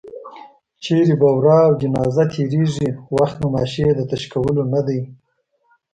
چېرته به ورا او جنازه تېرېږي، وخت د ماشې د تش کولو نه دی